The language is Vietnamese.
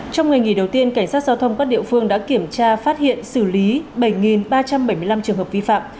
trong ngày nghỉ đầu tiên cảnh sát giao thông các địa phương đã kiểm tra phát hiện xử lý bảy ba trăm bảy mươi năm trường hợp vi phạm